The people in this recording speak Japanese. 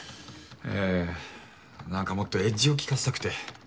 ええ何かもっとエッジを効かせたくて。